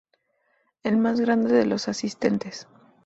El más grande de los asistentes.